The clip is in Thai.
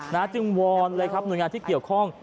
จึงวอนเลยครับหน่วยงานที่เกี่ยวข้อง